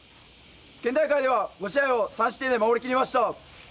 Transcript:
県大会では、５試合を３失点で守りきりました。